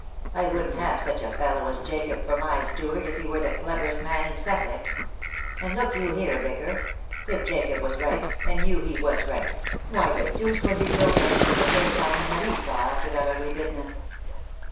I wouldn't have such a fellow as Jacob for my steward if he were the cleverest man in Sussex. And look you here, Vicar. If Jacob was right, and knew he was right, why the deuce was he so frightened the first time he met Esau after that ugly business